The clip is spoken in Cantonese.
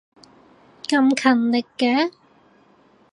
咁勤力嘅